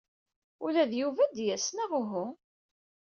Ula d Yuba ad d-yas, neɣ uhu?